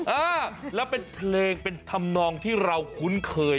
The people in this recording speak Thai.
อ่าแล้วเป็นเพลงเป็นธรรมนองที่เราคุ้นเคย